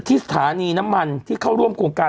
ที่สถานีน้ำมันที่เข้าร่วมโครงการ